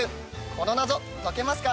この謎解けますか？